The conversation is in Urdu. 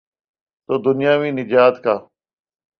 تو دنیاوی نجات کا۔